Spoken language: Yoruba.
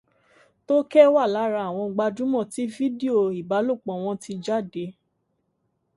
Tóké wà lára àwọn gbajúmọ̀ tí fídíò ìbálòpọ̀ wọn ti jáde.